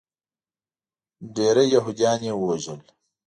ډیری یهودیان یې ووژل.